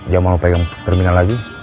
jangan mau pegang terminal lagi